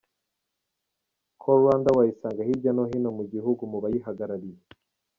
Call Rwanda wayisanga hirya no hino mu gihugu mu bayihagarariye.